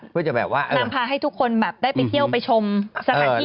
เพื่อจะแบบนำพาให้ทุกคนได้ไปเที่ยวไปชมสถานที่เที่ยวนั้น